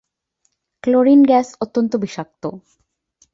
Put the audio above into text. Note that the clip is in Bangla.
ক্লোরিন গ্যাস অত্যন্ত বিষাক্ত।